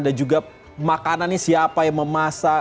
dan juga makanan ini siapa yang memasak